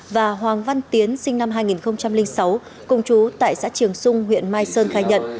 và hoàng văn tiến sinh năm hai nghìn sáu cùng chú tại xã triềng xung huyện mai sơn khai nhận